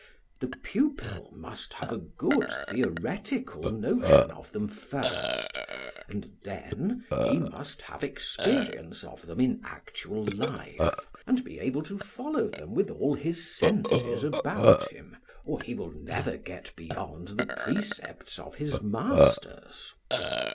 The pupil must have a good theoretical notion of them first, and then he must have experience of them in actual life, and be able to follow them with all his senses about him, or he will never get beyond the precepts of his masters.